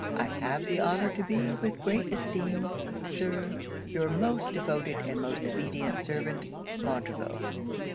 'I have the honour to be, with great esteem, Sir, your most devoted, and most obedient servant, MONTREVILLE.'